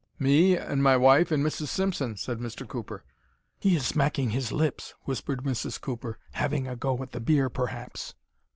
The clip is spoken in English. "Me and my wife and Mrs. Simpson," said Mr. Cooper. "He is smacking his lips," whispered Mrs. Cooper. "Having a go at the beer, perhaps."